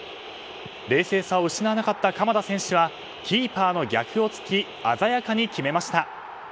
冷静さを失わなかった鎌田選手はキーパーの逆を突き鮮やかに決めました。